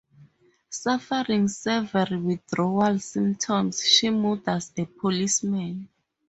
Suffering severe withdrawal symptoms, she murders a policeman.